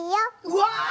うわ！